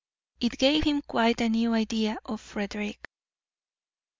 It gave him quite a new idea of Frederick.